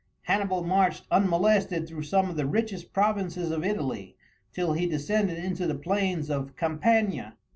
Hannibal marched unmolested through some of the richest provinces of Italy till he descended into the plain of Campania.